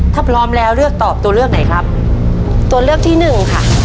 ถ้าพร้อมแล้วเลือกตอบตัวเลือกไหนครับตัวเลือกที่หนึ่งค่ะ